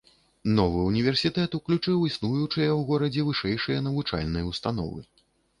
Новы ўніверсітэт уключыў існуючыя ў горадзе вышэйшыя навучальныя ўстановы.